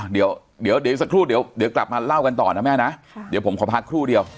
เดี๋ยวกลับมาเล่ากันต่อนะแม่นะเดี๋ยวผมขอพักครู่เดียว